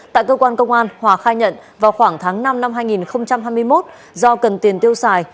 tại cơ quan công an hòa khai nhận vào khoảng tháng năm năm hai nghìn hai mươi một do cần tiền tiêu xài